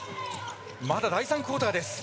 まだ第３クオーターです。